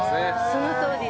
そのとおりです。